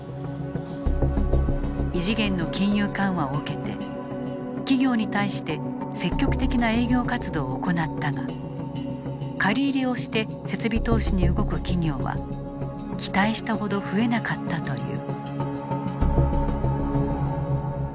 異次元の金融緩和を受けて企業に対して積極的な営業活動を行ったが借り入れをして設備投資に動く企業は期待したほど増えなかったという。